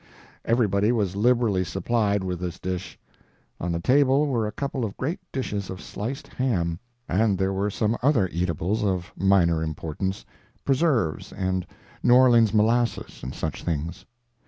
Everybody was liberally supplied with this dish. On the table were a couple of great dishes of sliced ham, and there were some other eatables of minor importance—preserves and New Orleans molasses and such things.